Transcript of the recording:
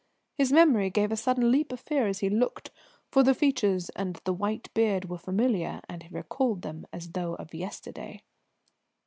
His memory gave a sudden leap of fear as he looked, for the features and white beard were familiar, and he recalled them as though of yesterday.